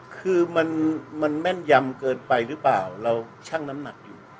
คือมันแม่นยำเกินไปหรือเปล่าเราชั่งน้ำหนักอยู่